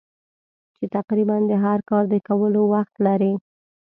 چې تقریباً د هر کار د کولو وخت لرې.